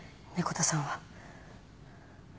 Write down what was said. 猫田さんは。